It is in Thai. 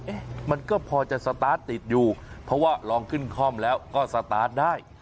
มันก็พอจะสตาร์ทติดอยู่เพราะว่าลองขึ้นคล่อมแล้วก็สตาร์ทได้